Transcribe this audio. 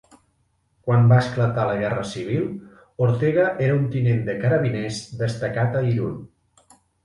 Quan va esclatar la Guerra civil, Ortega era un tinent de Carabiners destacat a Irun.